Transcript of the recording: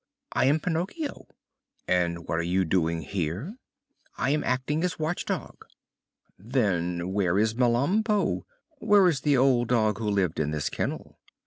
"I am Pinocchio." "And what are you doing here?" "I am acting as watch dog." "Then where is Melampo? Where is the old dog who lived in this kennel?"